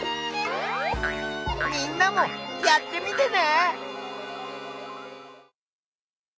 みんなもやってみてね！